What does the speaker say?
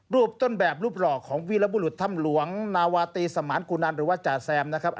รูปต้นแบบรูปหล่อของวีรบุรุษถ้ำหลวงนาวาตรีสมานกุนันหรือว่าจ่าแซมนะครับ